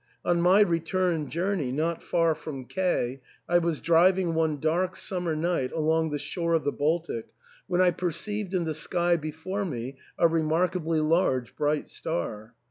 On my return journey, not far from K , I was driving one dark summer night along the shore of the Baltic, when I perceived in the sky before me a remarkably large bright star.